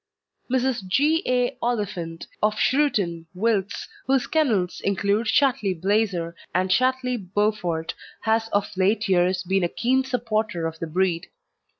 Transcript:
Mrs. G. A. Oliphant, of Shrewton, Wilts, whose kennels include Chatley Blazer and Chatley Beaufort, has of late years been a keen supporter of the breed.